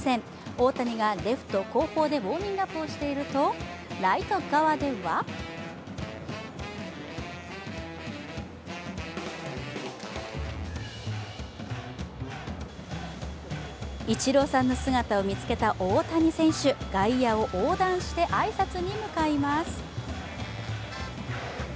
大谷がレフト後方でウォーミングアップをしていると、ライト側ではイチローさんの姿を見つけた大谷選手、外野を横断して挨拶に向かいます。